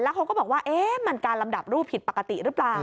เขาก็บอกว่ามันการลำดับรูปผิดปกติหรือเปล่า